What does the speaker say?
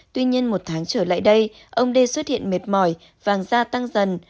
tuy nhiên một tháng trở lại đây ông đê xuất hiện mệt mỏi vàng da tăng dần